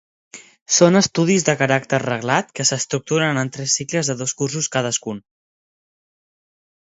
Són estudis de caràcter reglat que s'estructuren en tres cicles de dos cursos cadascun.